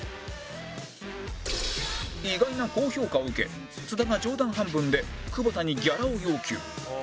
意外な高評価を受け津田が冗談半分で久保田にギャラを要求